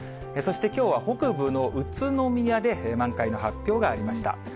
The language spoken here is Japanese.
そしてきょうは北部の宇都宮で満開の発表がありました。